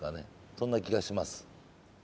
そんな気がします